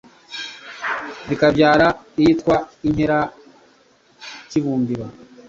bikabyara iyitwa inkera kibumbiro,